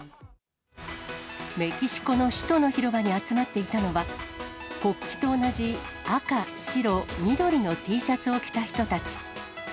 メキシコの首都の広場に集まっていたのは、国旗と同じ赤、白、緑のＴシャツを着た人たち。